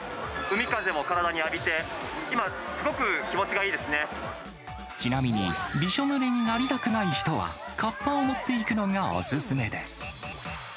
海風も体に浴びて、今、ちなみに、びしょぬれになりたくない人は、かっぱを持っていくのがお勧めです。